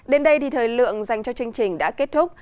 đến đây thì thời lượng dành cho chương trình đã kết thúc